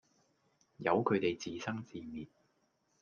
由佢地自生自滅